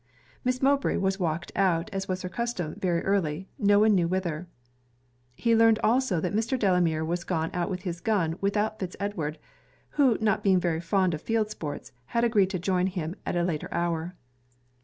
Miss Mowbray was walked out, as was her custom, very early, no one knew whither. He learned also that Mr. Delamere was gone out with his gun without Fitz Edward; who not being very fond of field sports, had agreed to join him at a later hour.